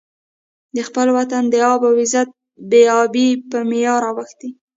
د خپل وطن د آب او عزت بې ابۍ په معیار اوښتی.